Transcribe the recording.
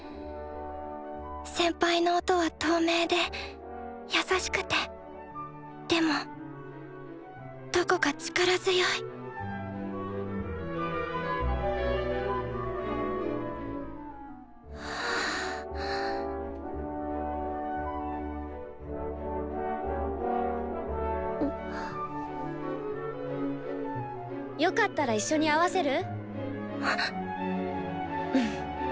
先輩の音は透明で優しくてでもどこか力強いよかったら一緒に合わせる？